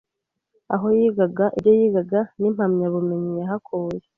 aho yigaga, ibyo yigaga n’impamyabumenyi yahakuye